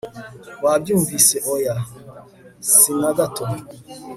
Wabyumvise Oya si na gato